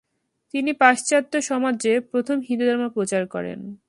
তিনি পাশ্চাত্য সমাজে প্রথম হিন্দুধর্ম প্রচার করেন।